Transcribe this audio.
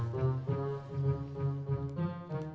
seguir suruh uang